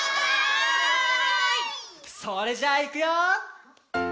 それじゃあいくよ！